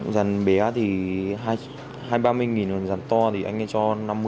giàn bé thì hai mươi ba mươi nghìn giàn to thì anh ấy cho năm mươi